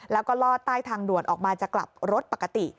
แล้วก็ลอดใต้ทางด่วนออกมาจะกลับรถปกติ